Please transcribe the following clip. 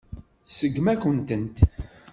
Tseggem-akent-tent.